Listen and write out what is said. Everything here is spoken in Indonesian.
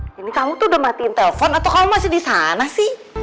eh ini kamu tuh udah matiin telepon atau kamu masih disana sih